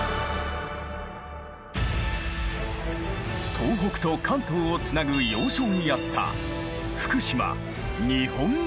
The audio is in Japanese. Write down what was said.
東北と関東をつなぐ要衝にあった福島二本松城。